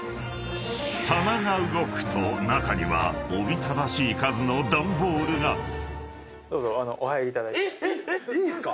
［棚が動くと中にはおびただしい数の段ボールが］いいんすか？